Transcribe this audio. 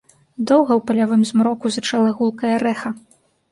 Доўга ў палявым змроку зычэла гулкае рэха.